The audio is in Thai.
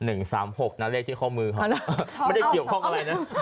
เลข๓๖นะเลขที่ข้อมือเขาไม่ได้เกี่ยวข้องอะไรนะ